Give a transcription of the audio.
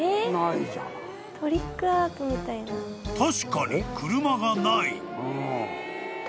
［確かに車がない］